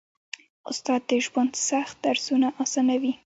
استاد د ژوند سخت درسونه اسانوي.